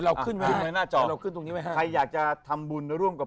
เรื่องอะไรอย่างนี้บริจาคที่ไหนได้